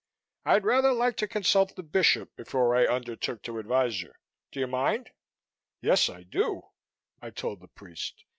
I'd rather like to consult the Bishop before I undertook to advise you. Do you mind?" "Yes, I do," I told the priest.